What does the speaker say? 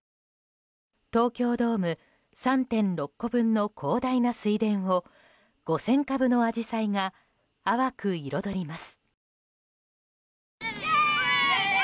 東京ドーム３．６個分の広大な水田を５０００株のアジサイが淡く彩ります。